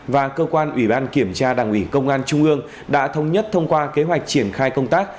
và cơ quan ủy ban kiểm tra đảng ủy công an trung ương đã thống nhất thông qua kế hoạch triển khai công tác